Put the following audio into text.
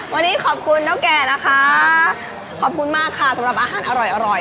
วันนี้ขอบคุณเท่าแก่นะคะขอบคุณมากค่ะสำหรับอาหารอร่อย